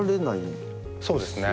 そうですね。